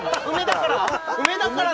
梅だから？